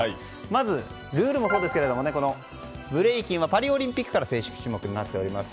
まずルールもそうですがブレイキンはパリオリンピックから正式種目になっております。